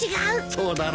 そうだろ。